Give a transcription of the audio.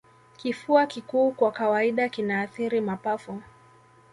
Kifua kikuu kwa kawaida kinaathiri mapafu